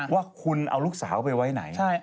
ว่าคุณเอาลูกสาวไปไว้ไหน